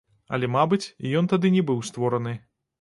Але, мабыць, ён тады не быў створаны.